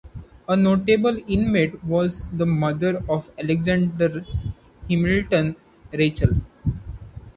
A notable inmate was the mother of Alexander Hamilton, Rachel.